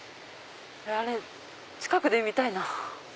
あれ近くで見たいな。